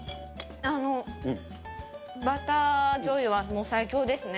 バターじょうゆはもう最強ですね。